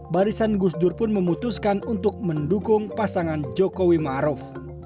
barisan gusdur pun memutuskan untuk mendukung pasangan joko widodo maruf